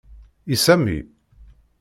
I Sami?